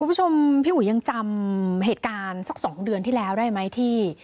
คุณผู้ชมพี่อุ๋ยยังจำเหตุการณ์สัก๒เดือนที่แล้วได้ไหมที่